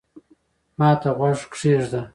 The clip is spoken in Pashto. ما ته غوږ کېږده